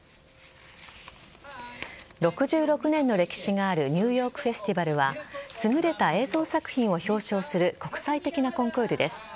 ６６年の歴史があるニューヨーク・フェスティバルは優れた映像作品を表彰する国際的なコンクールです。